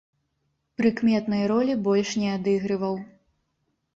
Прыкметнай ролі больш не адыгрываў.